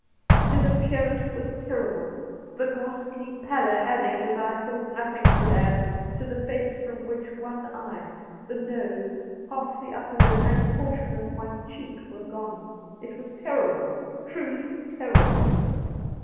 His appearance was terrible, the ghastly paUor adding, as I had thought nothing' could add, to Cassidy ' 159 the face from which one eye, the nose, half the upper lip, and portion of one cheek, were gone. It was terrible — truly terrible